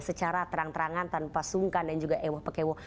secara terang terangan tanpa sungkan dan juga ewo pekewo